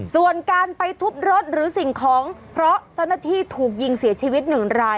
ส่วนการไปทุบรถหรือสิ่งของเพราะเจ้าหน้าที่ถูกยิงเสียชีวิตหนึ่งราย